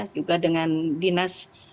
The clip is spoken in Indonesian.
juga dengan dinas